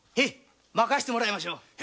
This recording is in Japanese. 任してもらいましょう。